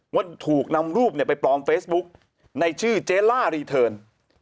ว่าถูกนำรูปไปปลอมเฟซบุ๊กในชื่อเจล่ารีเทิร์น